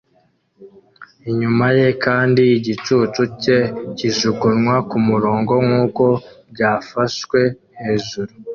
inyuma ye kandi igicucu cye kijugunywa kumurongo nkuko byafashwe hejuru